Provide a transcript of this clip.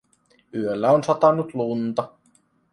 Yöllä on satanut lunta